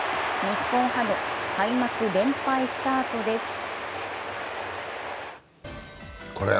日本ハム、開幕連敗スタートです。